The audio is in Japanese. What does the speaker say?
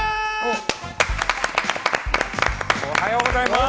おはようございます。